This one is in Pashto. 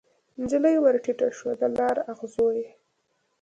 نجلۍ ورټیټه شوه د لار اغزو یې